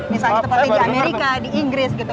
misalnya seperti di amerika di inggris gitu